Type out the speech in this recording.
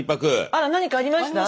あら何かありました？